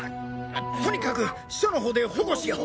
とにかく署のほうで保護しよう。